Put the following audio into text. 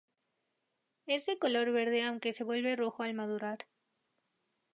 Es de color verde aunque se vuelve rojo al madurar.